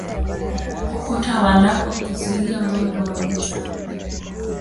Ukuta wa lambo huzuia mwendo wa mto.